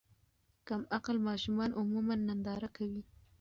کم عقل ماشومان عموماً ننداره کوي.